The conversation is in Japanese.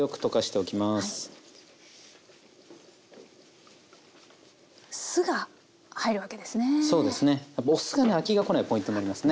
お酢がね飽きがこないポイントになりますね。